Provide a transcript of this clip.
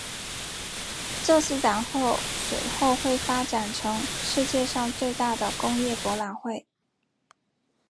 这次展会随后发展成世界上最大的工业博览会。